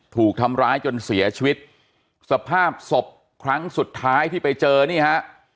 ถูกทำร้ายจนเสียชีวิตสภาพศพครั้งสุดท้ายที่ไปเจอนี่ฮะ